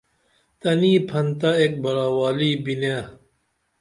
تنی پھنتہ ایک براہ والی بینے